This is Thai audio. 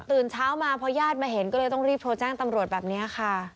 เช้ามาพอญาติมาเห็นก็เลยต้องรีบโทรแจ้งตำรวจแบบนี้ค่ะ